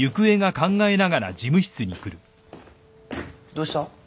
どうした？